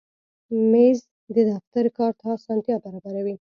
مېز د دفتر کار ته اسانتیا برابروي.